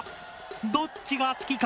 どっちが好きか